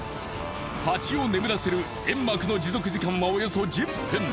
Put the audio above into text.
ハチを眠らせる煙幕の持続時間はおよそ１０分。